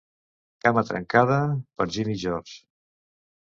Cama trencada per Jimmy George.